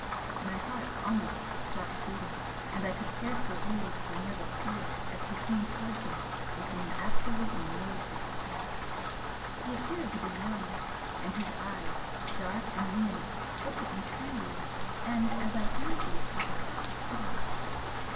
My heart almost stopped beating and I could scarcely breathe for nervous fear as he came towards me with an absolutely noiseless tread, he appeared to be young, and his eyes, dark and luminous, looked at me kindly and, as I fancied, with a touch of pity.